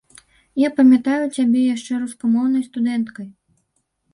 Я памятаю цябе яшчэ рускамоўнай студэнткай.